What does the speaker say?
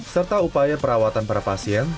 serta upaya perawatan para pasien